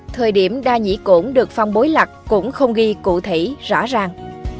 thời điểm đa nhĩ cổn được phong bối lạc cũng không ghi cụ thể rõ ràng